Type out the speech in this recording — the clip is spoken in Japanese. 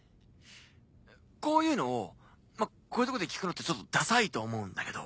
こういうのをこういうとこで聞くのってちょっとダサいと思うんだけど。